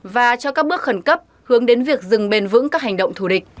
và cho các bước khẩn cấp hướng đến việc dừng bền vững các hành động thù địch